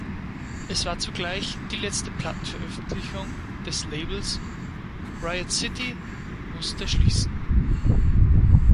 Es war zugleich die letzte Plattenveröffentlichung des Labels, "Riot City" musste schließen.